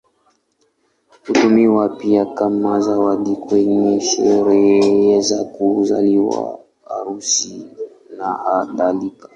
Hutumiwa pia kama zawadi kwenye sherehe za kuzaliwa, harusi, nakadhalika.